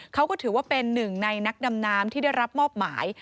เขาก็ถือว่าเป็นหนึ่งในนักดำน้ำที่ได้รับมอบหมาย